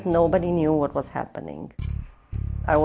tidak ada yang tahu apa yang terjadi